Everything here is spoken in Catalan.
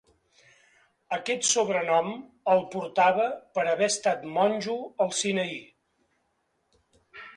Aquest sobrenom el portava per haver estat monjo al Sinaí.